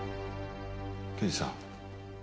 刑事さん。